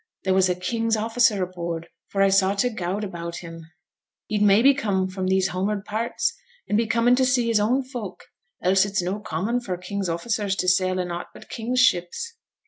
There was a king's officer aboard, for I saw t' gowd about him.' 'He'd maybe come from these hom'ard parts, and be comin' to see his own folk; else it's no common for king's officers to sail in aught but king's ships.'